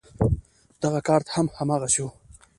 دغه کارت هم هماغسې و.